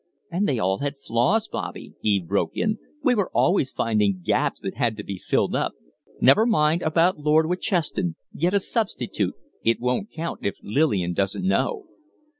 "And they all had flaws, Bobby," Eve broke in. "We were always finding gaps that had to be filled up. Never mind about Lord Witcheston. Get a substitute; it won't count if Lillian doesn't know."